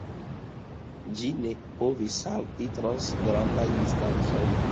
Ĝi ne povis salti trans grandaj distancoj.